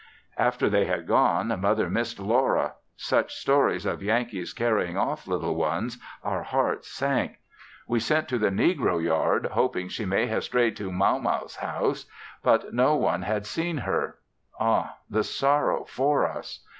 After they had gone Mother missed Laura! Such stories of Yankees carrying off little ones, our hearts sank! We sent to the negro yard hoping she may have strayed to Mauma's house, but no one had seen her; ah, the sorrow for us.